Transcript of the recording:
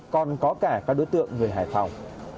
các đối tượng về hải phòng